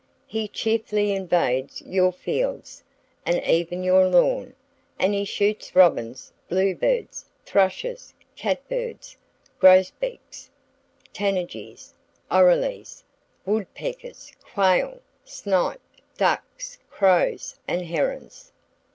He cheerfully invades your fields, and even your lawn; and he shoots robins, bluebirds, thrushes, catbirds, grosbeaks, tanagers, orioles, woodpeckers, quail, snipe, ducks, crows, and herons.